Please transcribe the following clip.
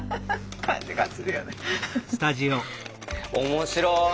面白い。